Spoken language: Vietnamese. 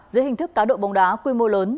dưới hình thức cá độ bóng đá quy mô lớn